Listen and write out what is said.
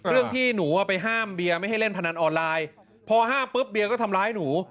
ที่หนูไปห้ามเบียร์ไม่ให้เล่นพนันออนไลน์พอห้ามปุ๊บเบียร์ก็ทำร้ายหนู